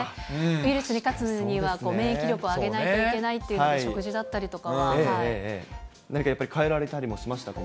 ウイルスに勝つには、免疫力を上げないといけないっていうので、何かやっぱり、変えられたりもしましたか？